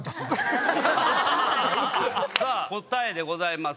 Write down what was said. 答えでございます